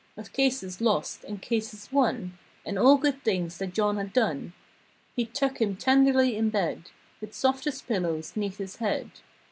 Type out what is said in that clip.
Of cases lost and cases won, And all good things that John had done. He'd tuck him tenderly in bed. With softest pillow 'neath his head.